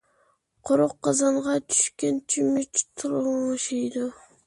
قۇرۇق قازانغا چۈشكەن چۆمۈچ تورۇڭشىيدۇ.